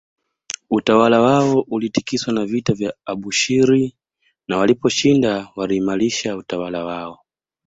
Utawala wao ulitikiswa na vita ya Abushiri na waliposhinda waliimaarisha utawala wao